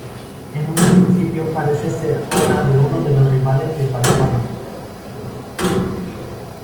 En un principio parece ser obra de uno de los rivales de Falcone.